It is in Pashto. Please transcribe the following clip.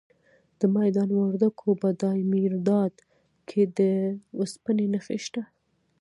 د میدان وردګو په دایمیرداد کې د وسپنې نښې شته.